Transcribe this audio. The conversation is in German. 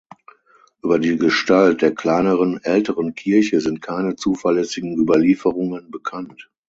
Über die Gestalt der kleineren älteren Kirche sind keine zuverlässigen Überlieferungen bekannt.